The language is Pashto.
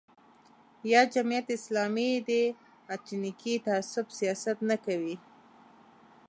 یا جمعیت اسلامي د اتنیکي تعصب سیاست نه کوي.